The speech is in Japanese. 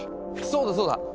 そうだそうだ！